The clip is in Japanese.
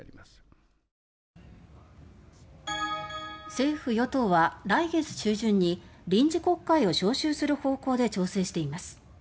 政府・与党は、来月中旬に臨時国会を召集する方向で調整しています。